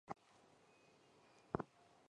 瓦尔卡布雷尔。